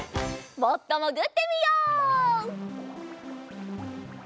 もっともぐってみよう。